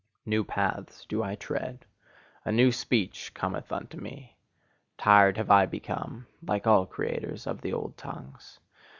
New paths do I tread, a new speech cometh unto me; tired have I become like all creators of the old tongues.